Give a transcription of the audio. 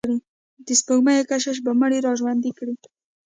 د سپوږمیو کشش به مړي را ژوندي کړي.